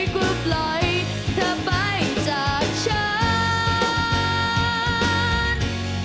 กูปล่อยเธอไปจากฉัน